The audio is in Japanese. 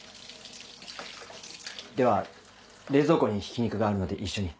では冷蔵庫にひき肉があるので一緒に。